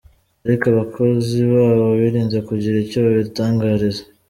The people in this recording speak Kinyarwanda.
Ariko abakozi babo birinze kugira icyo baritangariza.